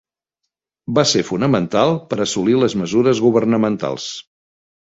Va ser fonamental per assolir les mesures governamentals.